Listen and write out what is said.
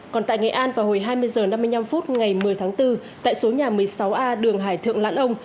còn tại nghệ an vào hồi hai mươi h năm mươi năm phút ngày một mươi tháng bốn tại số nhà một mươi sáu a đường hải thượng lãn ông